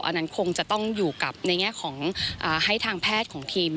อันนั้นคงจะต้องอยู่กับในแง่ของให้ทางแพทย์ของทีม